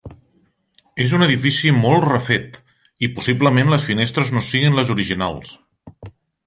És un edifici molt refet i possiblement les finestres no siguin les originals.